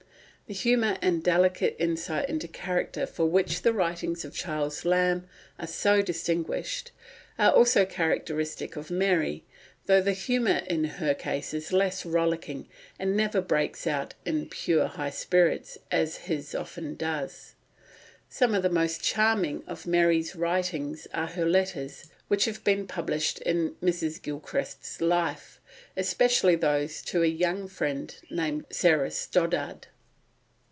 The humour and delicate insight into character for which the writings of Charles Lamb are so distinguished, are also characteristic of Mary, though the humour in her case is less rollicking, and never breaks out in pure high spirits, as his often does. Some of the most charming of Mary's writings are her letters, which have been published in Mrs. Gilchrist's Life, especially those to a young friend, named Sarah Stoddart.